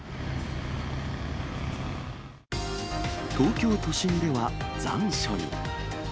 東京都心では残暑に。